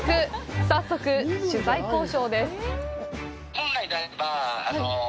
早速、取材交渉です！